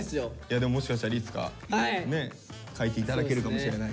でももしかしたらいつかね書いていただけるかもしれない。